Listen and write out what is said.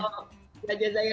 oh gajah zair ya